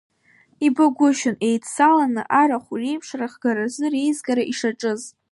Ибагәышьон, еидцаланы арахә реиԥш рахгаразы реизгара ишаҿыз.